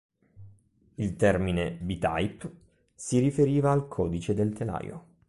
Il termine "B-Type" si riferiva al codice del telaio.